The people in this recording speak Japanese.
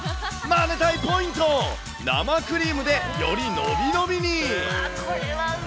マネたいポイント、生クリームでより伸び伸びに。